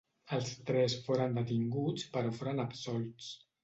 Els tres foren detinguts però foren absolts.